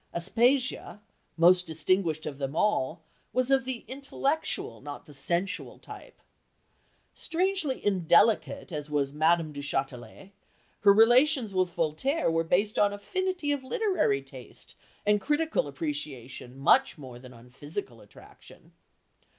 Aspasia, most distinguished of them all, was of the intellectual, not the sensual, type. Strangely indelicate as was Madame du Châtelet, her relations with Voltaire were based on affinity of literary taste and critical appreciation much more than on physical attraction.